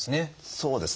そうですね。